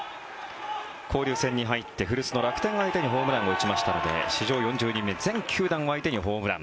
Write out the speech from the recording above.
交流戦に入って古巣の楽天を相手にホームランを打ちましたので史上４０人目全球団を相手にホームラン。